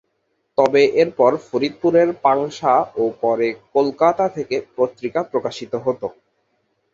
তবে এরপর ফরিদপুরের পাংশা ও পরে কলকাতা থেকে পত্রিকা প্রকাশিত হত।